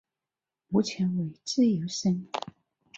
目前为自由身。